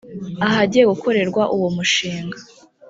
ahagiye gukorerwa uwo mushinga